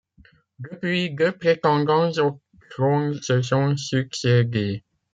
Depuis, deux prétendants au trône se sont succédé.